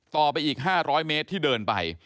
ต่อไปอีก๕๐๐เมตรที่เดินไป